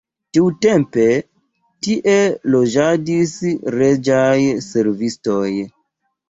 Tiutempe tie loĝadis reĝaj servistoj.